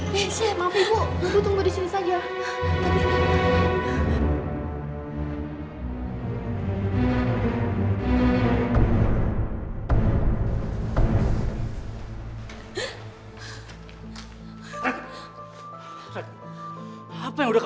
kezia bangun nak